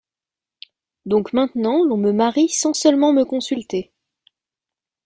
Donc, maintenant l’on me marie Sans seulement me consulter ?